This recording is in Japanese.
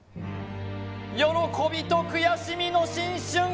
喜びとくやしみの新春